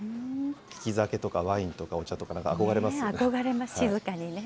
利き酒とか、ワインとか、お茶とかなんか憧れますよね。